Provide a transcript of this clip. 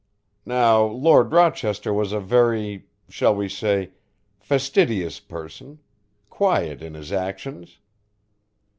Now Lord Rochester was a very, shall we say, fastidious person, quiet in his actions."